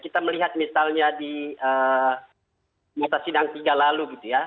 kita melihat misalnya di mata sinang tiga lalu